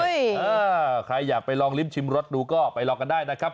เออใครอยากไปลองลิ้มชิมรสดูก็ไปลองกันได้นะครับ